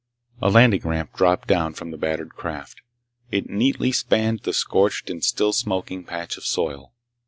A landing ramp dropped down from the battered craft. It neatly spanned the scorched and still smoking patch of soil.